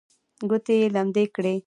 ګوتې یې لمدې کړې.